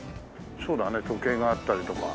そうだね時計があったりとか。